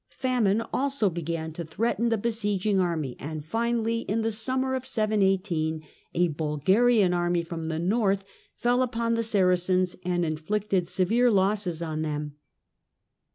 Famine also began to threaten the besieging army, and finally, in the summer of 718, a Bulgarian army from the north fell upon the Saracens and inflicted severe losses on them.